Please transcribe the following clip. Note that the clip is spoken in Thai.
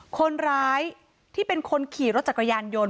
คนร้ายที่เป็นคนขี่รถจักรยานยนต์